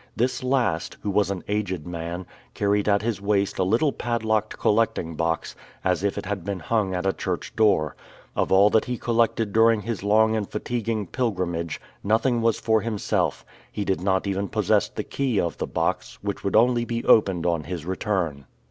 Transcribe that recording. This last, who was an aged man, carried at his waist a little padlocked collecting box, as if it had been hung at a church door. Of all that he collected during his long and fatiguing pilgrimage, nothing was for himself; he did not even possess the key of the box, which would only be opened on his return.